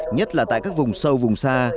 nhất là tại các vùng sâu vùng xa